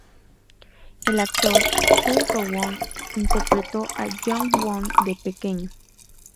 El actor Choi Ro-woon interpretó a Young-won de pequeño.